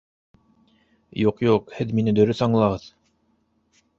— Юҡ-юҡ, һеҙ мине дөрөҫ аңлағыҙ